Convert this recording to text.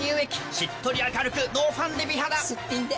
しっとり明るくノーファンデ美肌すっぴんで。